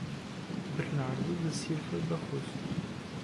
Bernardo da Silva Barroso